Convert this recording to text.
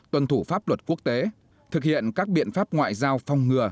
tuân thủ pháp luật quốc tế thực hiện các biện pháp ngoại giao phong ngừa